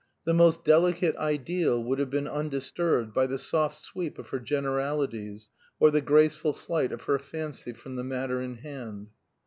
The most delicate ideal would have been undisturbed by the soft sweep of her generalities, or the graceful flight of her fancy from the matter in hand.